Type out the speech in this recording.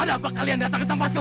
ada apa kalian datang ke tempatku